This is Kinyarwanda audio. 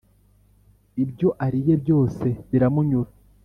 ibyo ariye byose biramunyura.